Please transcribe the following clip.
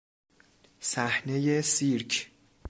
صحنهی سیرک